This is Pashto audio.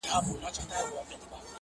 • چي استاد وو پر تخته باندي لیکلی,